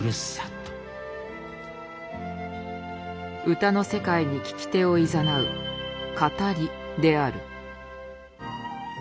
歌の世界に聞き手をいざなう「語り」である。